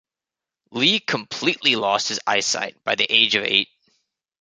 Lee completely lost his eyesight by the age of eight.